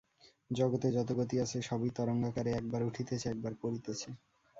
জগতে যত গতি আছে, সবই তরঙ্গাকারে একবার উঠিতেছে, একবার পড়িতেছে।